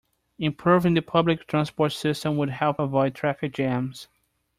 Improving the public transport system would help avoid traffic jams.